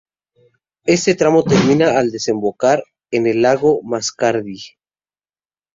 Este tramo termina al desembocar en el lago Mascardi.